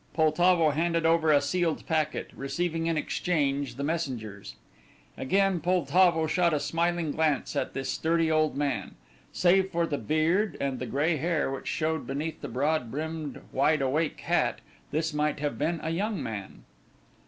Poltavo handed over a sealed packet, receiving in exchange the messenger's. Again Poltavo shot a smiling glance at this sturdy old man. Save for the beard and the grey hair which showed beneath the broad brimmed, wide awake hat, this might have been a young man.